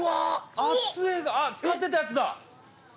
あっつえ使ってたやつだ。